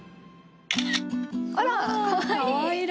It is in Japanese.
あら！